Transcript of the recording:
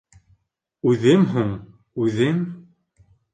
Үҙем һуң, үҙем?